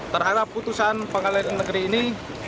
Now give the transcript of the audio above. terhadap putusan pengadilan negeri ini